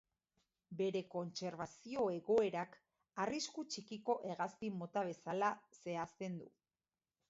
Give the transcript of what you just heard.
Bere kontserbazio egoerak, arrisku txikiko hegazti mota bezala zehazten du.